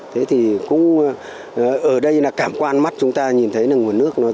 thế thì cũng ở đây là cảm quan mắt chúng ta nhìn thấy là nguồn nước